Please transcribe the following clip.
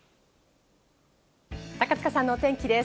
高塚さんのお天気です。